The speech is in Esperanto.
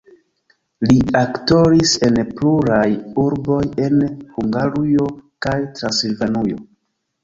Li aktoris en pluraj urboj en Hungarujo kaj Transilvanujo.